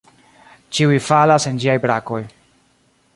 Ĉiuj falas en ĝiaj brakoj.